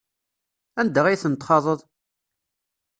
Anda ay tent-txaḍeḍ?